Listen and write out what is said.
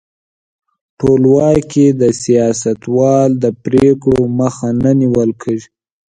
ټولواک کې د سیاستوالو د پرېکړو مخه نه نیول کیږي.